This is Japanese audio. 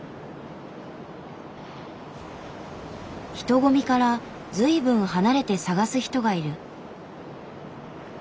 人混みから随分離れて探す人がいる。